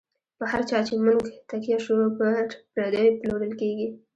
په هر چا چی مو نږ تکیه شو، پر پردیو پلورل کیږی